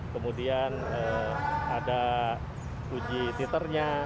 kemudian ada uji titernya